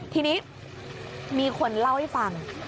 ทีนี้มีคนเล่าให้ฟัง